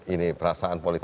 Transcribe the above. ini perasaan politik